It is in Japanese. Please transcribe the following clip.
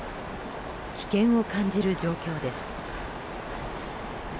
危険を感じる状況です。